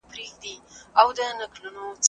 باطل په مابينځ کي د فتنې تخم شیندی.